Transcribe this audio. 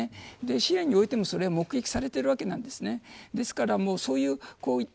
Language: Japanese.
シリアにおいても目撃されているわけなんです。